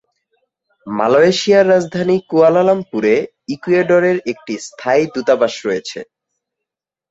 মালয়েশিয়ার রাজধানী কুয়ালালামপুরে ইকুয়েডরের একটি স্থায়ী দূতাবাস রয়েছে।